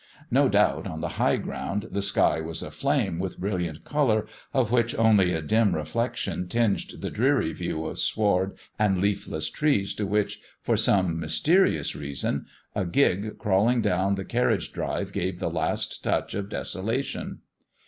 No doubt on the high ground the sky was aflame with brilliant colour, of which only a dim reflection tinged the dreary view of sward and leafless trees, to which, for some mysterious reason, a gig crawling down the carriage drive gave the last touch of desolation.